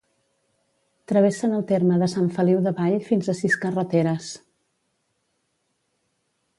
Travessen el terme de Sant Feliu d'Avall fins a sis carreteres.